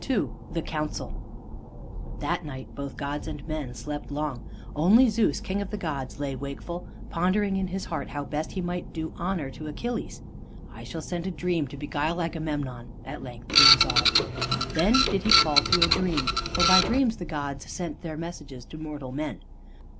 II THE COUNCIL That night both gods and men slept long; only Zeus, king of the gods, lay wakeful, pondering in his heart how best he might do honor to Achilles. "I shall send a Dream to beguile Agamemnon," at length he resolved. Then did he call to a Dream, for by Dreams the gods sent their messages to mortal men.